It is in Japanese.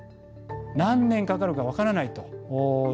何年かかるか分からないと。